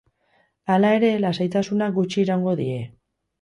Halere, lasaitasunak gutxi iraungo die.